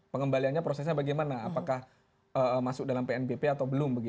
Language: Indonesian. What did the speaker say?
pengembaliannya prosesnya bagaimana apakah masuk dalam pnbp atau belum